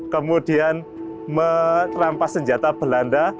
kemudian merampas senjata belanda